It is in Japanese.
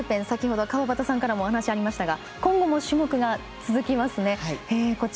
先ほど川端さんからもお話がありましたが今後も種目が続きますね。